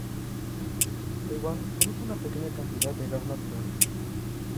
Taiwán produce una pequeña cantidad de gas natural.